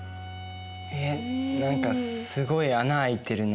えっ何かすごい穴開いてるね。